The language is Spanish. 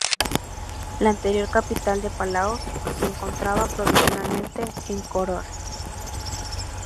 La anterior capital de Palaos se encontraba provisionalmente en Koror.